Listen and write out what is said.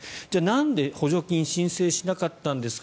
なんで補助金を申請しなかったんですか。